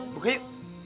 eh buka yuk